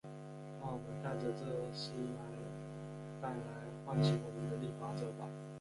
让我们戴着这丝带来唤醒我们的立法者吧。